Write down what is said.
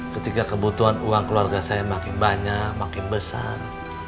ketika kebutuhan uang keluarga saya makin banyak makin besar